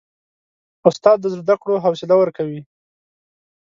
استاد د زده کړو حوصله ورکوي.